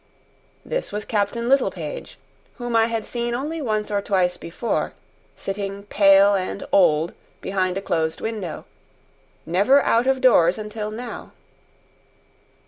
This was Captain Littlepage, whom I had seen only once or twice before, sitting pale and old behind a closed window; never out of doors until now.